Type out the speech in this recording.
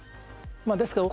ですから